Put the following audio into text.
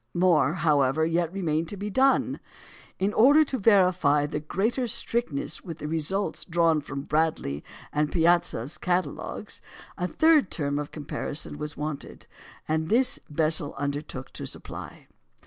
More, however, yet remained to be done. In order to verify with greater strictness the results drawn from the Bradley and Piazzi catalogues, a third term of comparison was wanted, and this Bessel undertook to supply.